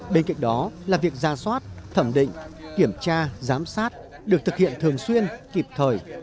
bên cạnh đó là việc ra soát thẩm định kiểm tra giám sát được thực hiện thường xuyên kịp thời